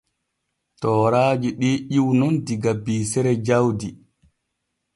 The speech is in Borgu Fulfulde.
Tooraaji ɗi ƴiwu nun diga biisere jawdi.